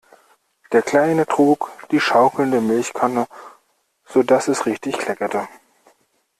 Der Kleine trug die schaukelnde Milchkanne, sodass es richtig kleckerte.